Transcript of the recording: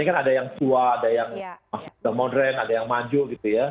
ini kan ada yang tua ada yang modern ada yang maju gitu ya